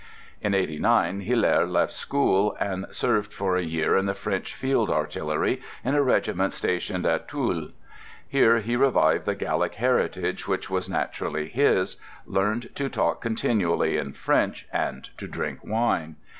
In '89 Hilaire left school, and served for a year in the French field artillery, in a regiment stationed at Toul. Here he revived the Gallic heritage which was naturally his, learned to talk continually in French, and to drink wine.